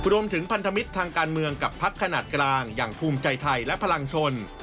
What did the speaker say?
พันธมิตรทางการเมืองกับพักขนาดกลางอย่างภูมิใจไทยและพลังชน